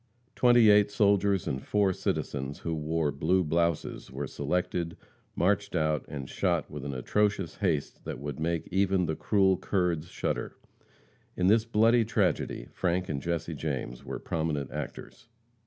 Twenty eight soldiers and four citizens who wore blue blouses were selected, marched out and shot with an atrocious haste that would make even the cruel Kurds shudder. In this bloody tragedy, Frank and Jesse James were prominent actors.